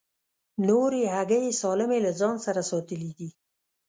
نورې هګۍ یې سالمې له ځان سره ساتلې دي.